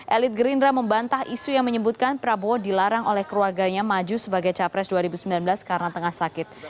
elit gerindra membantah isu yang menyebutkan prabowo dilarang oleh keluarganya maju sebagai capres dua ribu sembilan belas karena tengah sakit